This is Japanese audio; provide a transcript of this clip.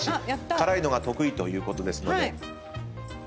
辛いのが得意ということですので。